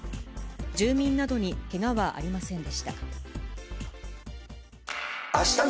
住民などにけがはありませんでした。